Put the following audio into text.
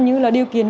như là điều kiện